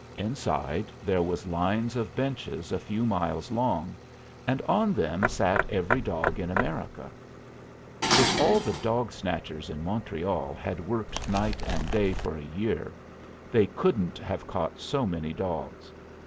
Inside there was lines of benches a few miles long, and on them sat every dog in America. If all the dog snatchers in Montreal had worked night and day for a year, they couldn't have caught so many dogs.